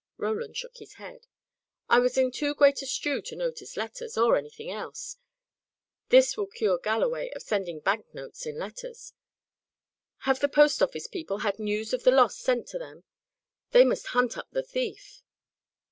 Roland shook his head. "I was in too great a stew to notice letters, or anything else. This will cure Galloway of sending bank notes in letters. Have the post office people had news of the loss sent to them? They must hunt up the thief."